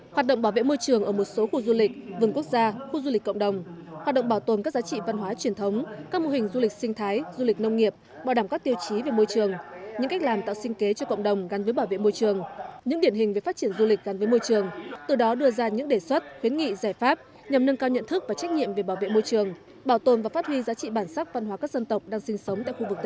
hoạt động bảo vệ môi trường ở một số khu du lịch vườn quốc gia khu du lịch cộng đồng hoạt động bảo tồn các giá trị văn hóa truyền thống các mô hình du lịch sinh thái du lịch nông nghiệp bảo đảm các tiêu chí về môi trường những cách làm tạo sinh kế cho cộng đồng gắn với bảo vệ môi trường những điển hình về phát triển du lịch gắn với môi trường từ đó đưa ra những đề xuất khuyến nghị giải pháp nhằm nâng cao nhận thức và trách nhiệm về bảo vệ môi trường bảo tồn và phát huy giá trị bản sắc văn hóa các dân